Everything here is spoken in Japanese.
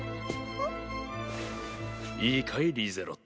あっいいかいリーゼロ